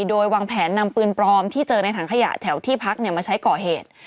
โดยวางแผนนำปืนปลอมที่เจอในถังขยะแถวที่พักมาใช้ก่อเหตุ